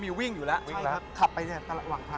มาขอให้คุณช่วยปลดปล่อยจากผีใหญ่ที่คุมเขาอยู่อีกที